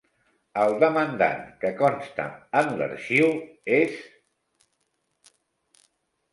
El demandant que consta en l'arxiu és...